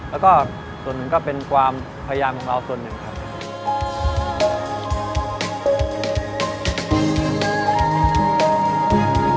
แล้วก็ส่วนหนึ่งก็เป็นความพยายามของเราส่วนหนึ่งครับ